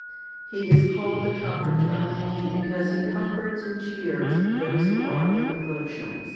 He is called the Comforter, because He comforts and cheers those who are in afflictions.